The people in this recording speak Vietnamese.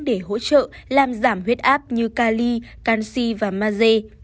để hỗ trợ làm giảm huyết áp như cali canshi và maze